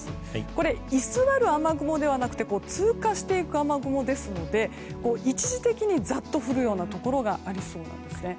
これ居座る雨雲ではなくて通過する雨雲ですので一時的にざっと降るようなところがありそうなんですね。